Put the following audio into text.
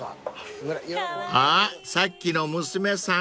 ［あっさっきの娘さん］